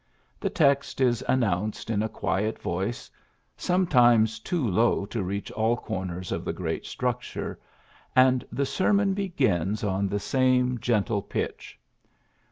The text is announced in a quiet voice, sometimes too low to reach all corners of the great structure ; and the sermon begins on the same gentle pitch.